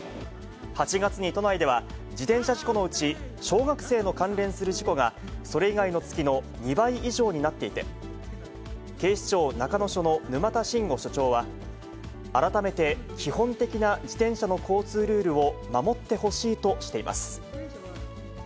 ８月に都内では、自転車事故のうち、小学生の関連する事故が、それ以外の月の２倍以上になっていて、警視庁中野署の沼田慎吾所長は、改めて基本的な自転車の交通ルールを守ってほしいとしています。